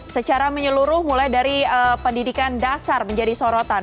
secara menyeluruh mulai dari pendidikan dasar menjadi sorotan